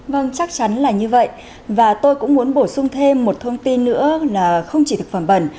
vâng chắc chắn là như vậy và tôi cũng muốn bổ sung thêm một thông tin nữa là không chỉ thực phẩm bẩn